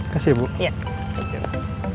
kasih ya bu